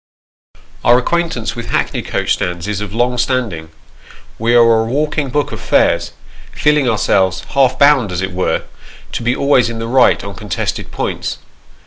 Our acquaintance with hackney coach stands is of long standing. We are a walking book of fares, feeling ourselves, half bound, as it were, to be always in the right on contested points.